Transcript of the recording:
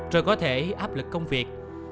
rồi có thể áp lực công việc